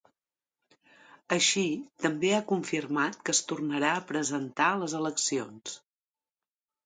Així, també ha confirmat que es tornarà a presentar a les eleccions.